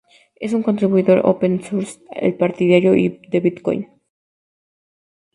Es un contribuidor open-source y partidario de Bitcoin.